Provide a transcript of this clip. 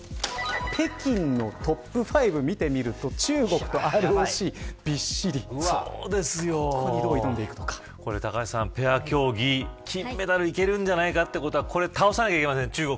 北京のトップ５見てみると高橋さん、ペア競技金メダルいけるんじゃないかということはこれを倒さなきゃいけません。